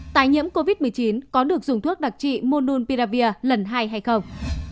tài nhiễm covid một mươi chín có được dùng thuốc đặc trị mononpiravir lần hai hay không